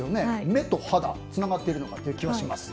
目と肌、つながっているのかという気がします。